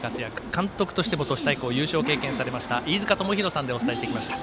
監督としても都市対抗優勝を経験されました飯塚智広さんの解説でお送りしてきました。